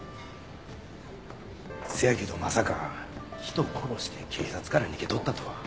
せやけどまさか人を殺して警察から逃げとったとは。